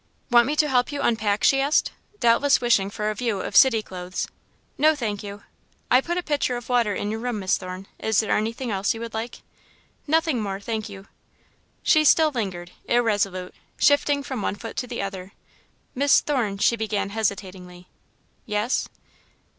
"Want me to help you unpack?" she asked, doubtless wishing for a view of "city clothes." "No, thank you." "I put a pitcher of water in your room, Miss Thorne. Is there anything else you would like?" "Nothing more, thank you." She still lingered, irresolute, shifting from one foot to the other. "Miss Thorne " she began hesitatingly. "Yes?"